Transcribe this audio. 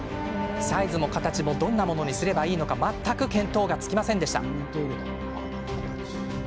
サイズも形もどんなものにすればいいのか全く見当がつきませんでした。